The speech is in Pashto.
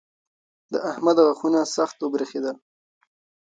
د احمد غاښونه سخت وبرېښېدل.